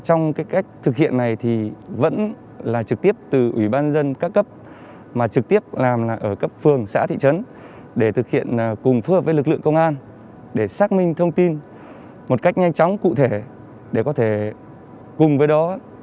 trong cái cách thực hiện này thì vẫn là trực tiếp từ ủy ban dân các cấp mà trực tiếp làm ở cấp phường xã thị trấn để thực hiện cùng phối hợp với lực lượng công an để xác minh thông tin một cách nhanh chóng cụ thể để có thể cùng với đó